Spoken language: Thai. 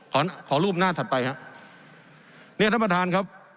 ขอขอรูปหน้าถัดไปฮะเนี่ยท่านประธานครับ